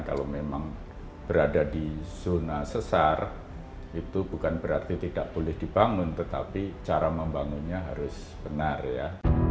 kalau memang berada di zona sesar itu bukan berarti tidak boleh dibangun tetapi cara membangunnya harus benar ya